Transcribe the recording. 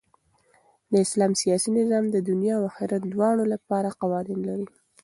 د اسلام سیاسي نظام د دؤنيا او آخرت دواړو له پاره قوانين لري.